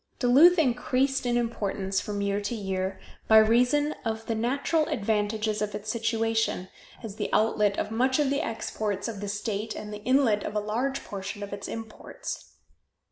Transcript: Duluth increased in importance from year to year by reason of the natural advantages of its situation, as the outlet of much of the exports of the state and the inlet of a large portion of its imports.